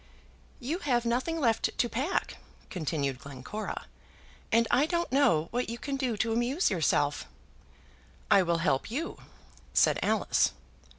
"You have nothing left to pack," continued Glencora, "and I don't know what you can do to amuse yourself." "I will help you," said Alice.